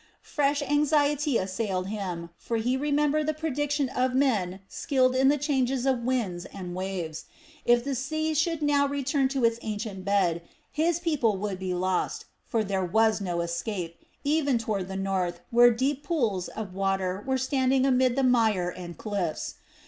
Fresh anxiety assailed him; for he remembered the prediction of men skilled in the changes of winds and waves. If the sea should now return to its ancient bed, his people would be lost; for there was no escape, even toward the north, where deep pools of water were standing amid the mire and cliffs.